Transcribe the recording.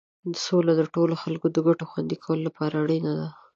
سوله د ټولو خلکو د ګټو خوندي کولو لپاره اړینه ده.